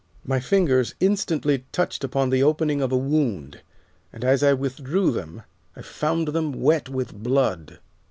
My fingers instantly touched upon the opening of a wound, and as I withdrew them I found them wet with blood.